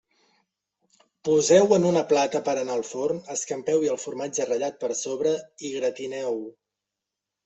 Poseu-ho en una plata per a anar al forn, escampeu-hi el formatge ratllat per sobre i gratineu-ho.